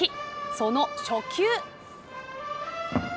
その初球。